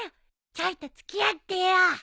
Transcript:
ちょいと付き合ってよ。